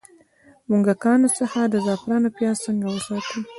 د موږکانو څخه د زعفرانو پیاز څنګه وساتم؟